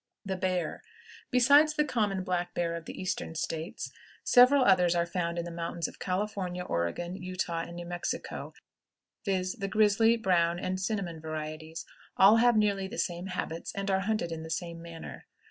THE BEAR. Besides the common black bear of the Eastern States, several others are found in the mountains of California, Oregon, Utah, and New Mexico, viz., the grizzly, brown, and cinnamon varieties; all have nearly the same habits, and are hunted in the same manner.